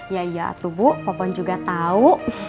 ya ya tuh bu popon juga tahu